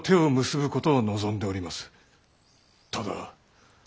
ただ。